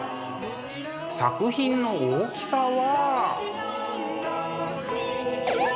作品の大きさは。